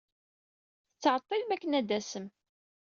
Tettɛeḍḍilem akken ad d-tasem.